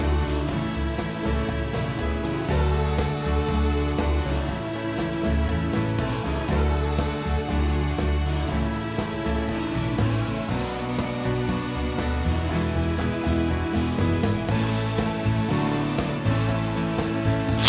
โอเคขออนุญาตเจ้ากลุ่มเป็นคนรู้ชมแล้ว